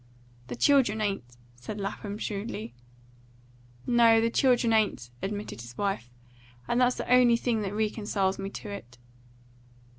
"The children ain't," said Lapham shrewdly. "No, the children ain't," admitted his wife, "and that's the only thing that reconciles me to it."